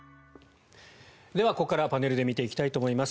ではここからパネルで見ていきたいと思います。